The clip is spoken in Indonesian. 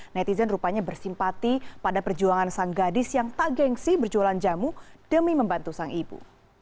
netizen rupanya bersimpati pada perjuangan sang gadis yang tak gengsi berjualan jamu demi membantu sang ibu